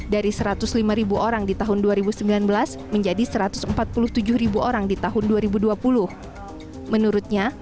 dari satu ratus lima orang di tahun dua ribu sembilan belas menjadi satu ratus empat puluh tujuh ribu orang di tahun dua ribu dua puluh menurutnya